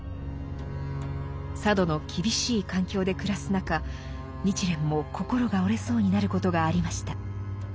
佐渡の厳しい環境で暮らす中日蓮も心が折れそうになることがありました。